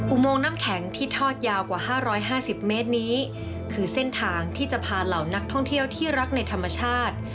อุโมงน้ำแข็งที่ทอดยาวกว่า๕๕๐เมตรนี้คือเส้นทางที่จะพาเหล่านักท่องเที่ยวที่รักในธรรมชาติ